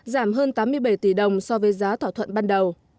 giảm hơn tám mươi bảy tỷ đồng so với giá thỏa thuận ban đầu